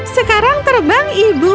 sekarang terbang ibu